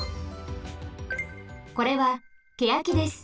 これはケヤキです。